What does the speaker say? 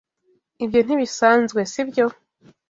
Ibyo ntibisanzwe, sibyo?